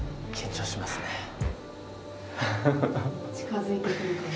近づいてくる感じ。